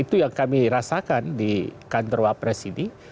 itu yang kami rasakan di kantor wapres ini